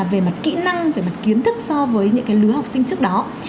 về mặt kỹ năng về mặt kiến thức so với những cái lứa học sinh trước đó